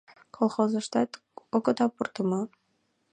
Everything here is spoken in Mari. Колхозышкыжат огыда пурто мо?